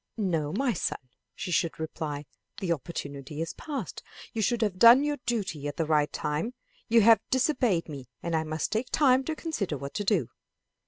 "No, my son," she should reply, "the opportunity is past. You should have done your duty at the right time. You have disobeyed me, and I must take time to consider what to do."